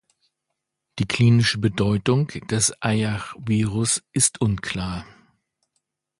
Die klinische Bedeutung des Eyach-Virus ist unklar.